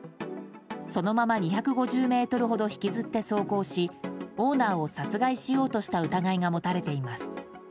そのまま２５０ｍほど引きずって走行しオーナーを殺害しようとした疑いが持たれています。